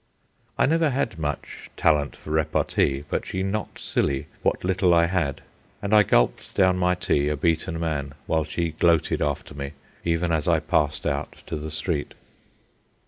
I never had much talent for repartee, but she knocked silly what little I had, and I gulped down my tea a beaten man, while she gloated after me even as I passed out to the street.